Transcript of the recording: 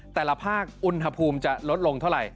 แต่ละภาคอุณหภูมิจะลดลงเท่าไหร่